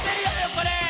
これ。